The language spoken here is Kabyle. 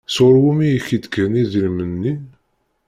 Sɣur wumi i k-d-kan idrimen-nni?